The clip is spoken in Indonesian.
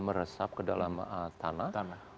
meresap ke dalam tanah